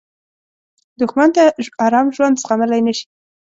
دښمن د آرام ژوند زغملی نه شي